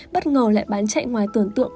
bất ngờ lại bán chạy ngoài tưởng tượng